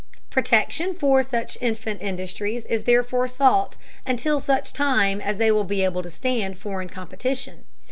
Protection for such "infant" industries is therefore sought until such time as they will be able to stand foreign competition.